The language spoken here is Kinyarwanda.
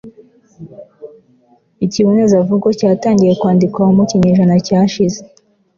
ikibonezamvugo cyatangiye kwandikwaho mu kinyejana cyashize